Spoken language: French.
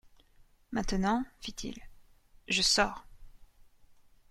Maintenant, fit-il, je sors.